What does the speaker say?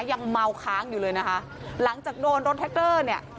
ยังเมาค้างอยู่เลยนะคะหลังจากโดนรถแท็กเกอร์เนี่ย